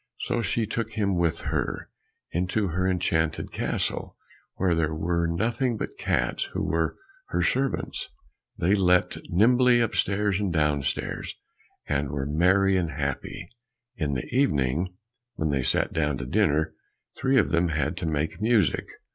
So she took him with her into her enchanted castle, where there were nothing but cats who were her servants. They leapt nimbly upstairs and downstairs, and were merry and happy. In the evening when they sat down to dinner, three of them had to make music.